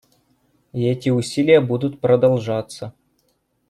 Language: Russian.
И эти усилия будут продолжаться.